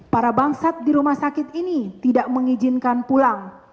para bangsat di rumah sakit ini tidak mengizinkan pulang